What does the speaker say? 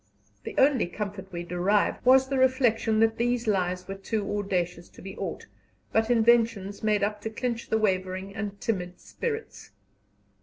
The only comfort we derived was the reflection that these lies were too audacious to be aught but inventions made up to clinch the wavering and timid spirits.